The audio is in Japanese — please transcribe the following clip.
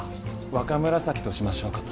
若紫としましょうかと。